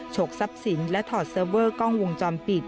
ฉกซับสินและถอดเซิร์เวอร์กล้องวงจอมปิด